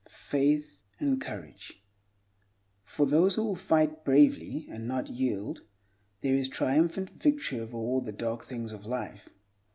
Faith and Courage FOR THOSE WHO WILL FIGHT BRAVELY and not yield, there is triumphant victory over all the dark things of life.